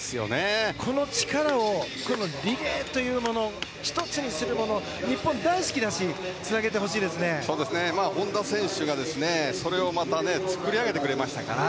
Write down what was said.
この力をリレーというもの１つにするもの日本、大好きだし本多選手がそれをまた作り上げてくれましたから。